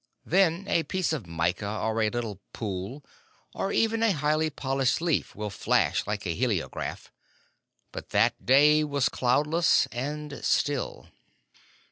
Then a piece of mica, or a little pool, or even a highly polished leaf will flash like a heliograph. But that day was cloudless and still.